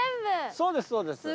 そうですそうです。